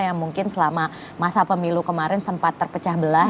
yang mungkin selama masa pemilu kemarin sempat terpecah belah